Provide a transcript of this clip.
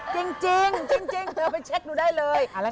จริงเธอไปเช็คดูได้เลย